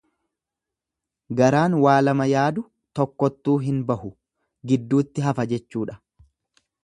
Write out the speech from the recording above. Garaan waa lama yaadu tokkottuu hin bahu, gidduutti hafa jechuudha.